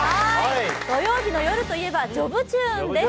土曜日の夜といえば「ジョブチューン」です。